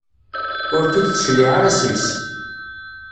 Ur k-id-tecliɛ ara seg-s.